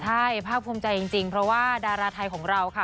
ใช่ภาพภูมิใจจริงเพราะว่าดาราไทยของเราค่ะ